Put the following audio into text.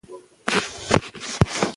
موږ هڅه کوو چې نوي نسل ته ښه روزنه ورکړو.